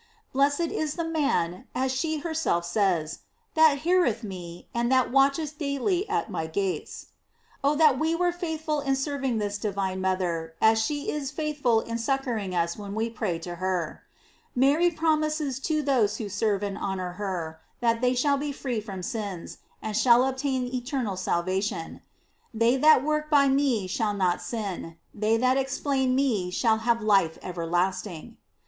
"Blessed is the man," as she herself says, "that heareth me, and that watcheth daily at my gates!"* Oh, that we were faithful in serving this divine mother, as she is faithful in succoring us when we pray to her! Mary promises to those who serve and honor her, that they shall be free from sins, and shall obtain eternal salvation. "They that work by me shall not sin. ... They that explain me shall have life everlasting."